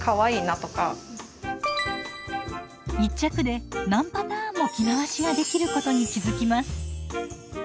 １着で何パターンも着回しができることに気付きます。